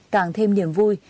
càng thêm niềm vui